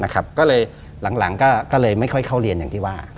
ก็เลยหลังก็เลยไม่ค่อยเข้าเรียนอย่างที่ว่า